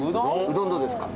うどんどうですか？